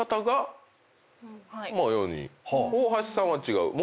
大橋さんは違う。